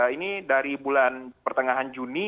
ini dari bulan pertengahan juni